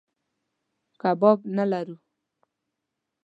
کباب نه لرو.